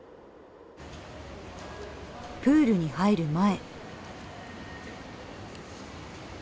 プールに入る前。